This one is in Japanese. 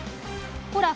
ほら！